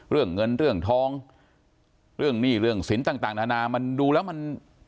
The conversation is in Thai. เรื่องเงินเรื่องทองเรื่องหนี้เรื่องสินต่างนานามันดูแล้วมัน